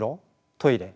トイレ？